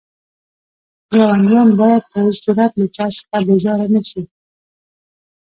ګاونډيان بايد په هيڅ صورت له چا څخه بيزاره نه شئ.